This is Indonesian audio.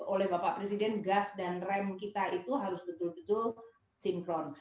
oleh bapak presiden gas dan rem kita itu harus betul betul sinkron